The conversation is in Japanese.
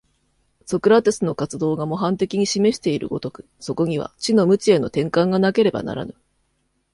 ソクラテスの活動が模範的に示している如く、そこには知の無知への転換がなければならぬ。